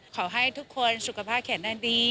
ขอให้ทุกคนสุขภาพแข็งแรงดี